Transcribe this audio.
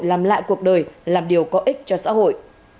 làm lại cuộc đời làm điều có ích cho xã hội